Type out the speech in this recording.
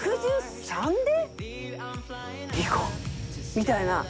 みたいな。